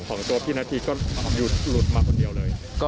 ของตัวพี่นาธีก็หยุดหลุดมาคนเดียวเลย